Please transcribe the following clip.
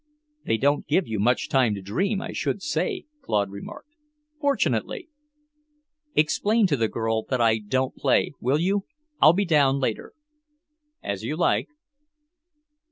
"They don't give you much time to dream, I should say!" Claude remarked. "Fortunately!" "Explain to the girl that I don't play, will you? I'll be down later." "As you like."